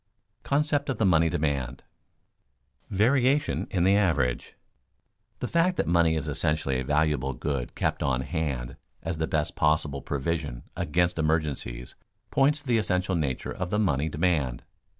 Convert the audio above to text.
[Sidenote: Concept of the money demand] [Sidenote: Variation in the average] The fact that money is essentially a valuable good kept on hand as the best possible provision against emergencies points to the essential nature of the money demand.